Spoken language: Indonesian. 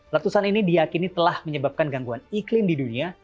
letusan ini diakini telah menyebabkan gangguan iklim di dunia